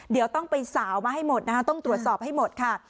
เดี๋ยวต้องไปสาวมาให้หมดนะคะต้องตรวจสอบให้หมดค่ะ